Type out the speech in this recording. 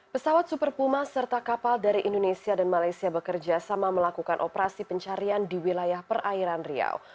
pesawat super puma serta kapal dari indonesia dan malaysia bekerja sama melakukan operasi pencarian di wilayah perairan riau